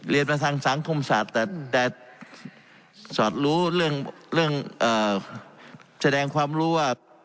เรียนมาทางสังคมศาสตร์แต่สอดรู้เรื่องแสดงความรู้ว่า